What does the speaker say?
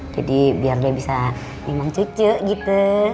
jadi biar dia bisa memang cucu gitu